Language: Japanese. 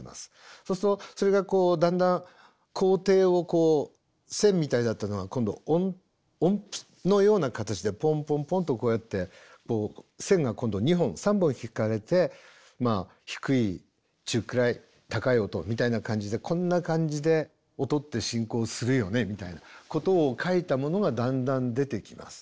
そうするとそれがこうだんだん高低をこう線みたいだったのが今度音符のような形でポンポンポンとこうやって線が今度２本３本引かれてまあ低い中くらい高い音みたいな感じでこんな感じで音って進行するよねみたいなことを書いたものがだんだん出てきます。